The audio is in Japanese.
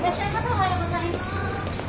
おはようございます。